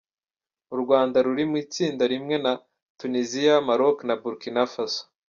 U Rwanda ruri mu itsinda rimwe na Tuniziya, Maroc na Burkinafaso.